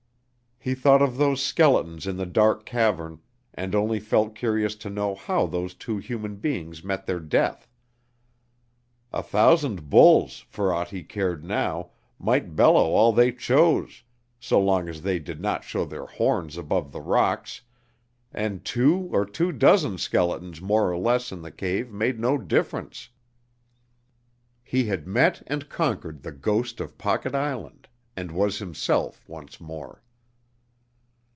He thought of those skeletons in the dark cavern, and only felt curious to know how those two human beings met their death. A thousand bulls, for aught he cared now, might bellow all they chose, so long as they did not show their horns above the rocks, and two or two dozen skeletons more or less in the cave made no difference. He had met and conquered the ghost of Pocket Island, and was himself once more.